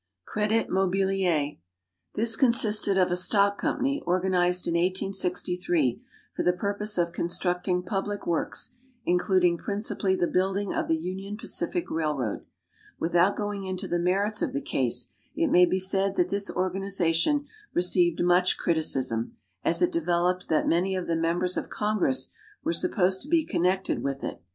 =Credit Mobilier.= This consisted of a stock company, organized in 1863, for the purpose of constructing public works, including principally the building of the Union Pacific Railroad. Without going into the merits of the case, it may be said that this organization received much criticism, as it developed that many of the members of Congress were supposed to be connected with it.